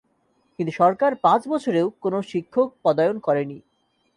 কিন্তু সরকার পাঁচ বছরেও কোনো শিক্ষক পদায়ন করেনি।